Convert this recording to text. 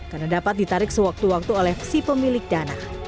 karena dapat ditarik sewaktu waktu oleh si pemilik dana